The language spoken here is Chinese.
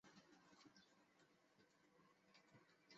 被认为是英国最古老的酒店。